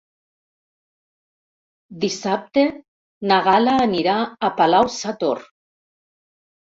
Dissabte na Gal·la anirà a Palau-sator.